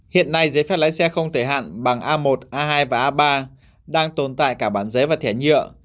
hiện nay giấy phép lái xe không thể hạn bằng a một a hai và a ba đang tồn tại cả bán giấy và thẻ nhựa